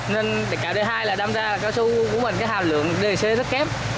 nên cạo d hai là đâm ra cao su của mình cái hàm lượng dc rất kép